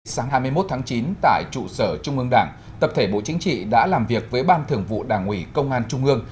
sáng hai mươi một tháng chín tại trụ sở trung ương đảng tập thể bộ chính trị đã làm việc với ban thưởng vụ đảng ủy công an trung ương